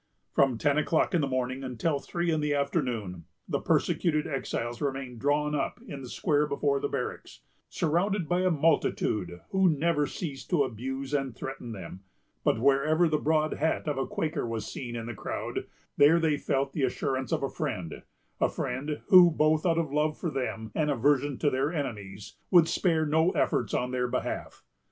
From ten o'clock in the morning until three in the afternoon, the persecuted exiles remained drawn up in the square before the barracks, surrounded by a multitude who never ceased to abuse and threaten them; but wherever the broad hat of a Quaker was seen in the crowd, there they felt the assurance of a friend,——a friend, who, both out of love for them, and aversion to their enemies, would spare no efforts in their behalf.